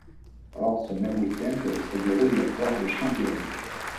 Hors ce même week-end, se déroule la foire de Chambéry.